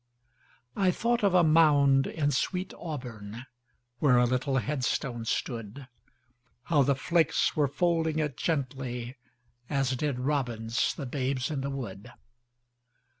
I thought of a mound in sweet AuburnWhere a little headstone stood; How the flakes were folding it gently, As did robins the babes in the wood.